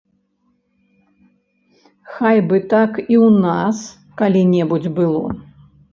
Хай бы так і ў нас калі-небудзь было.